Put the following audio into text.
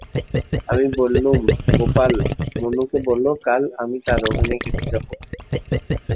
আমি বললুম, গোপাল, মুনুকে বোলো কাল আমি তার ওখানে খেতে যাব।